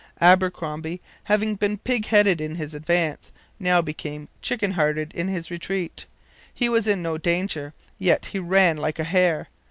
Abercromby, having been pig headed in his advance, now became chicken hearted in his retreat. He was in no danger. Yet he ran like a hare.